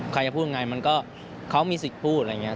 ใครจะพูดยังไงมันก็เขามีสิทธิ์พูดอะไรอย่างนี้